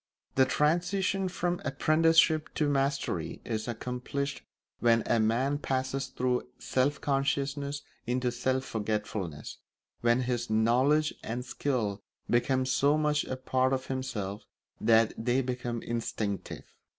The transition from apprenticeship to mastery is accomplished when a man passes through self consciousness into self forgetfulness, when his knowledge and skill become so much a part of himself that they become instinctive.